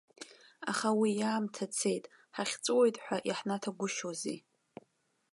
Аха уи аамҭа цеит, ҳахьҵәыуеит ҳәа иаҳнаҭагәышьозеи!